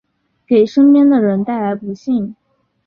给身边的人带来不幸